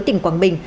tỉnh quảng bình